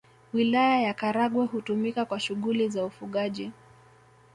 Wilaya ya Karagwe hutumika kwa shughuli za ufugaji